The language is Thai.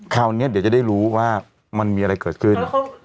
คราวนี้เดี๋ยวจะได้รู้ว่ามันมีอะไรเกิดขึ้น